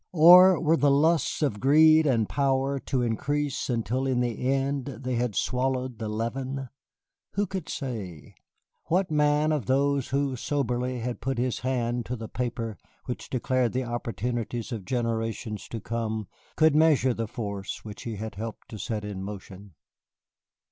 Or were the lusts of greed and power to increase until in the end they had swallowed the leaven? Who could say? What man of those who, soberly, had put his hand to the Paper which declared the opportunities of generations to come, could measure the Force which he had helped to set in motion.